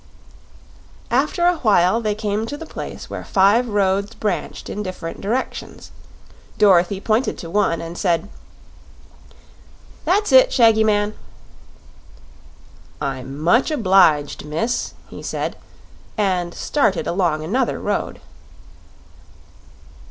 After a while, they came to the place where five roads branched in different directions; Dorothy pointed to one, and said: "That's it, Shaggy Man." "I'm much obliged, miss," he said, and started along another road.